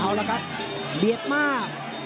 เอาละครับเบียดมาก